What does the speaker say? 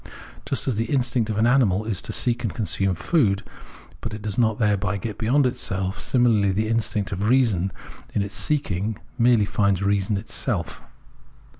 Just as the instinct of an animal is to seek and consume food, but does not thereby get beyond itself ; similarly the instinct of reason in its seek ing merely finds reason itself.